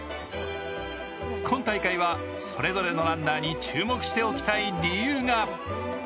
今大会はそれぞれのランナーに注目しておきたい理由が。